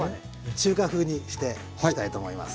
中華風にしていきたいと思います。